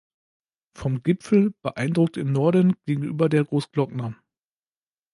Vom Gipfel beeindruckt im Norden gegenüber der Großglockner.